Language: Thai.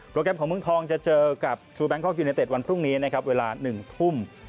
โปรแกรมของเมืองทองจะเจอกับดรูแบงก็อลอยันเนตน์เนตเตะน์วันพรุ่งนี้นะครับเวลาหนึ่งทุ่ม